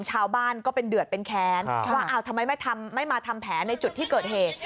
ชาวบ้านก็เป็นเดือดเป็นแค้นว่าทำไมไม่มาทำแผนในจุดที่เกิดเหตุ